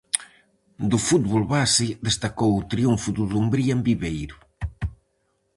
Do fútbol base destacou o triunfo do Dumbría en Viveiro.